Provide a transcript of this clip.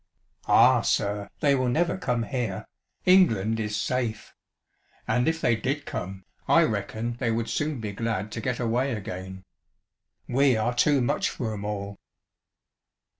" Ah, sir, they will never come here ŌĆö England is safe. And if they did come, I reckon they would soon be glad to get away again. We are too much for 'em all."